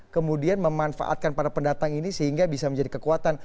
kemudian memanfaatkan para pendatang ini sehingga bisa menjadi kekuatan